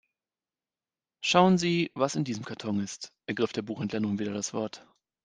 "Schauen Sie, was in diesem Karton ist", ergriff der Buchhändler nun wieder das Wort.